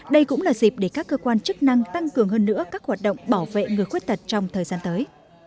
đây cũng là dịp để các cơ quan chức năng tăng cường hơn nữa các hoạt động bảo vệ người khuyết tật trong thời gian tới